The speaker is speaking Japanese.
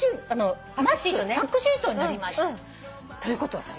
「パックシートになりました」ということはさ